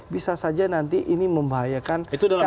bisa saja nanti ini membahayakan keamanan dunia